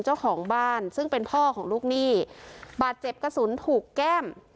เจ้าของบ้านซึ่งเป็นพ่อของลูกหนี้บาดเจ็บกระสุนถูกแก้ม